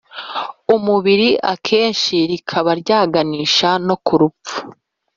umubiri akenshi rikaba ryaganisha no ku rupfu